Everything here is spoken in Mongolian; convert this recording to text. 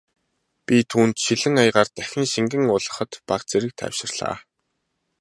Би түүнд шилэн аягаар дахин шингэн уулгахад бага зэрэг тайвширлаа.